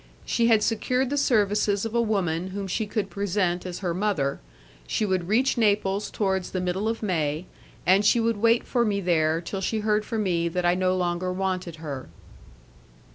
She had secured the services of a woman whom she could present as her mother; she would reach Naples towards the middle of May, and she would wait for me there till she heard from me that I no longer wanted her.